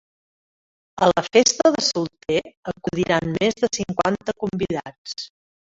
A la festa de solter acudiran més de cinquanta convidats.